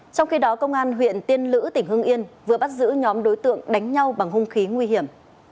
trong khi đó công an huyện tiên lữ tỉnh hương yên vừa bắt giữ nhóm đối tượng đánh nhau bằng hung khí nguy hiểm